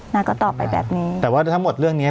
นาก็ตอบไปแบบนี้แต่ว่าทั้งหมดเรื่องเนี้ย